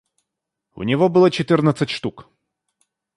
У него было четырнадцать штук.